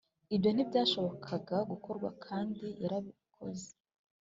ibyo ntibyashobokaga gukorwa, kandi yarabikoze!